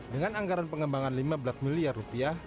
dengan anggaran pengembangan lima belas miliar rupiah